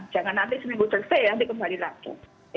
jangan nanti seminggu terbaik nanti kembali laku